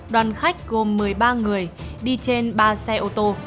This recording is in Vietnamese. đoàn khách gồm một mươi ba người đi trên ba xe ô tô